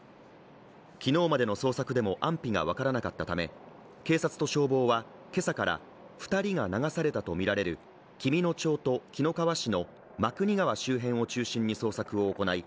昨日までの捜索でも安否が分からなかったため、警察と消防は今朝から２人が流されたとみられる紀美野町と紀の川市の真国川周辺を中心に捜索を行い